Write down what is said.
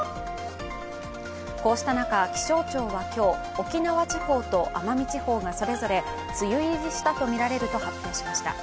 こうした中、気象庁は今日、沖縄地方と奄美地方がそれぞれ梅雨入りしたとみられると発表しました。